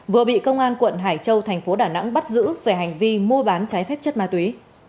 vừa bị công an quận hải châu thành phố đà nẵng bắt giữ về hành vi mua bán trái phép chất ma túy